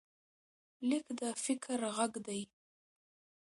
لیک د فکر غږ دی.